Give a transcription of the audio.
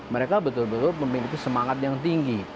mereka betul betul memiliki semangat yang tinggi